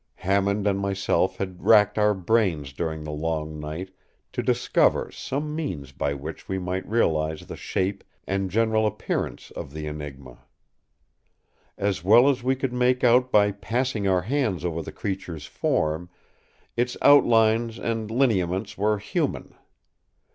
Hammond and myself had racked our brains during the long night to discover some means by which we might realize the shape and general appearance of the Enigma. As well as we could make out by passing our hands over the creature’s form, its outlines and lineaments were human.